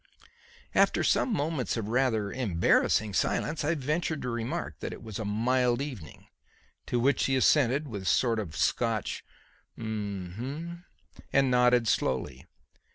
After some moments of rather embarrassing silence, I ventured to remark that it was a mild evening; to which he assented with a sort of Scotch "Hm hm" and nodded slowly.